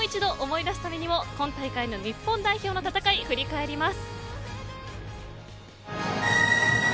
それではあの歓喜をもう一度思い出すためにも今大会の日本代表の戦い振り返ります。